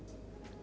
masukkan ke dalam